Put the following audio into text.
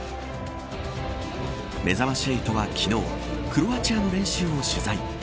めざまし８は、昨日クロアチアの練習を取材。